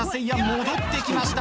戻ってきました。